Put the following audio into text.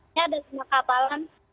ini ada lima kapalan